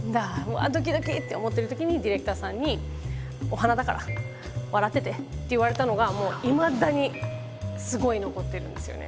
わぁドキドキ」と思ってる時にディレクターさんに「お花だから笑ってて」って言われたのがもういまだにすごい残ってるんですよね。